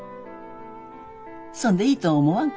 そんでいいと思わんかな？